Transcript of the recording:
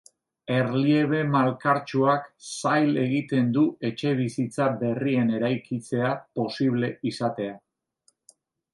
Erliebe malkartsuak zail egiten du etxebizitza berrien eraikitzea posible izatea.